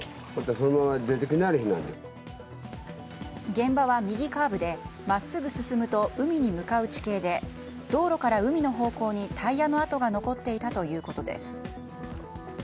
現場は右カーブで真っすぐ進むと海に向かう地形で道路から海の方向にタイヤの跡が残っていたということです。